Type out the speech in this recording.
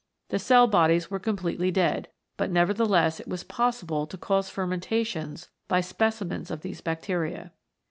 The cell bodies were com pletely dead, but nevertheless it was possible to cause fermentations by specimens of these bacteria.